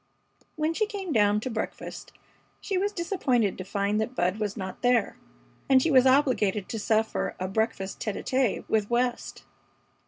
When she came down to breakfast she was disappointed to find that Bud was not there, and she was obliged to suffer a breakfast tête à tête with West.